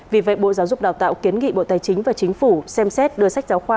vì vậy bộ giáo dục đào tạo kiến nghị bộ tài chính và chính phủ xem xét đưa sách giáo khoa